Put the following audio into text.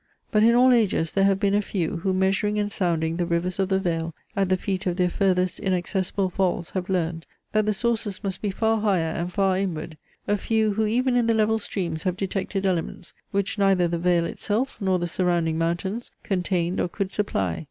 But in all ages there have been a few, who measuring and sounding the rivers of the vale at the feet of their furthest inaccessible falls have learned, that the sources must be far higher and far inward; a few, who even in the level streams have detected elements, which neither the vale itself nor the surrounding mountains contained or could supply .